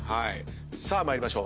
さあ参りましょう。